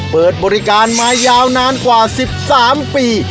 เปิดบริการมายาวนานกว่า๑๓ปี